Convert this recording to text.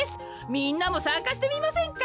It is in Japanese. みんなもさんかしてみませんか？